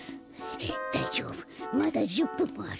だいじょうぶまだ１０ぷんもある。